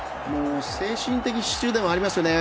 精神的支柱でもありますよね。